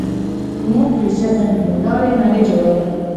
موږ د ذهن له لارې نړۍ جوړوو.